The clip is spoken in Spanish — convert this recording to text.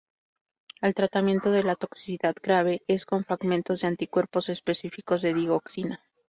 El tratamiento de la toxicidad grave es con fragmentos de anticuerpos específicos de digoxina.